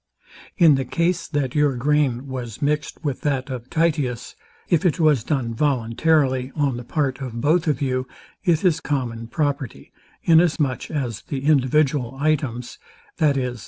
(In the case that your grain was mixed with that of Titius, if it was done voluntarily on the part of both of you, it is common property, inasmuch as the individual items, i.e.